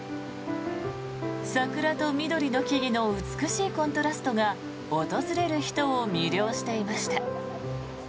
桜と緑の木々の美しいコントラストが訪れる人を魅了していました。